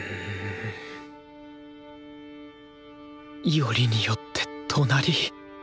よりによって隣。